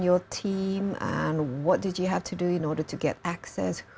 dan apa yang anda harus lakukan untuk mendapatkan akses